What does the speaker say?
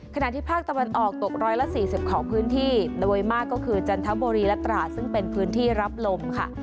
ขณะที่ภาคตะวันออกตก๑๔๐ของพื้นที่โดยมากก็คือจันทบุรีและตราดซึ่งเป็นพื้นที่รับลมค่ะ